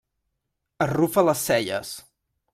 Arrufa les celles.